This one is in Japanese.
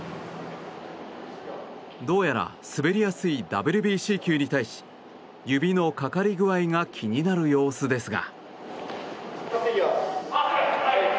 どうやら滑りやすいＷＢＣ球に対し指のかかり具合が気になる様子ですが。